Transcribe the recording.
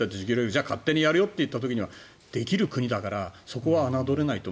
じゃあ勝手にやるよと言った時にはできる国だからそこは侮れないと。